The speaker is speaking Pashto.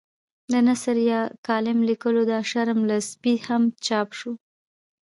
د نثر یا کالم لیکلو دا شرم له سپي هم چاپ شو.